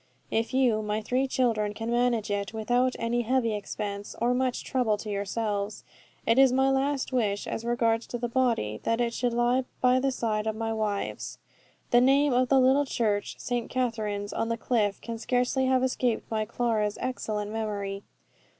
If you, my three children, can manage it, without any heavy expense, or much trouble to yourselves, it is my last wish as regards the body, that it should lie by the side of my wife's. The name of the little church, St. Katharine's on the Cliff, can scarcely have escaped my Clara's excellent memory.